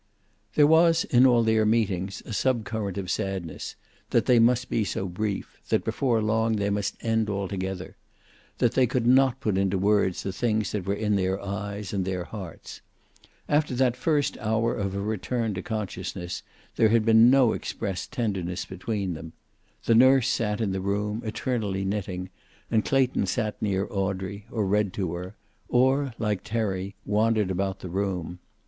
There was, in all their meetings, a sub current of sadness, that they must be so brief, that before long they must end altogether, that they could not put into words the things that were in their eyes and their hearts. After that first hour of her return to consciousness there had been no expressed tenderness between them. The nurse sat in the room, eternally knitting, and Clayton sat near Audrey, or read to her, or, like Terry, wandered about the room.